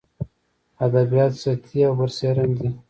ادبیات سطحي او برسېرن دي.